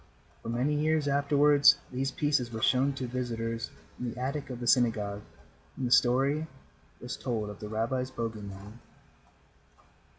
For many years afterward these pieces were shown to visitors in the attic of the synagogue when the story was told of the rabbi's bogey man.